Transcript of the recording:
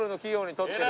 取ってる。